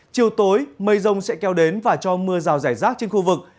chiều tối mây rông sẽ kéo đến và cho mưa rào rải rác trên khu vực